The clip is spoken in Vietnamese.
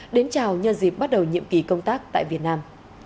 đến chào nhân dịp bắt đầu nhiệm kỳ công tác tại việt nam